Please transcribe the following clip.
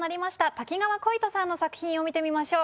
瀧川鯉斗さんの作品を見てみましょう。